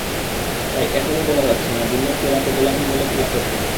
তাই এখনই বলা যাচ্ছে না, দিনের চেয়ে রাতে গোলাপি বলে খেলা কঠিন।